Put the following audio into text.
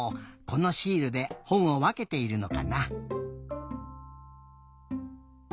このシールでほんをわけているのかな？